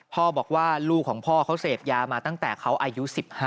พ่อบอกว่าลูกของพ่อเขาเสพยามาตั้งแต่เขาอายุ๑๕